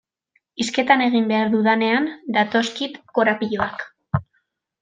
Hizketan egin behar dudanean datozkit korapiloak.